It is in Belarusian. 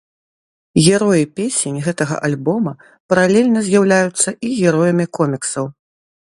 Героі песень гэтага альбома паралельна з'яўляюцца і героямі коміксаў.